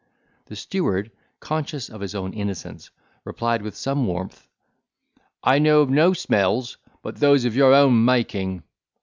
The steward, conscious of his own innocence, replied with some warmth, "I know of no smells but those of your own making."